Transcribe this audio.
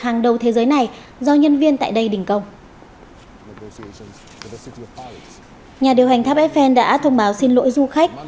hàng đầu thế giới này do nhân viên tại đây đình công nhà điều hành tháp effel đã thông báo xin lỗi du khách